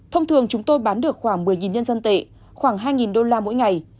thông thường chúng tôi bán được khoảng một mươi nhân dân tệ khoảng hai đô la mỗi ngày